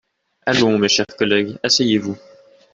Allons, mes chers collègues, asseyez-vous.